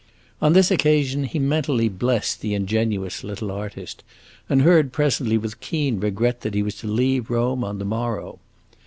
On this occasion he mentally blessed the ingenuous little artist, and heard presently with keen regret that he was to leave Rome on the morrow.